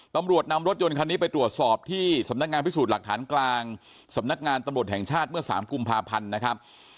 ตำรวจนำรถยนต์คันนี้ไปตรวจสอบที่สำนักงานพิสูจน์หลักฐานกลางสำนักงานตำรวจแห่งชาติเมื่อ๓กุมภาพันธ์นะครับ